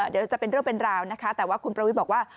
เดี๋ยวจะเป็นเรื่องเป็นราวนะคะแต่ว่าคุณประวิทย์บอกว่า